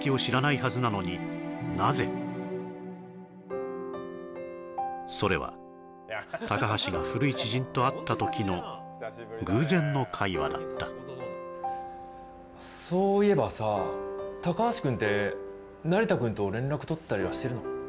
そしてそれは高橋が古い知人と会った時の偶然の会話だったそういえばさ高橋くんって成田くんと連絡取ったりはしてるの？